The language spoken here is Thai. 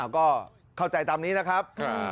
ก็เข้าใจตามนี้นะครับ